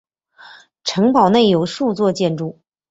城堡内有数座建筑。